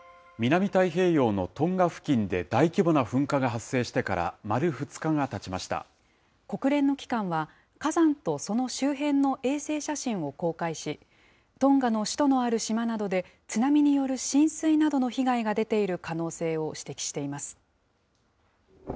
南太平洋のトンガ付近で大規模な噴火が発生してから丸２日がたち国連の機関は、火山とその周辺の衛星写真を公開し、トンガの首都のある島などで津波による浸水などの被害が出ている可能性を指摘しています。